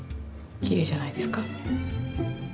きれいじゃないですか？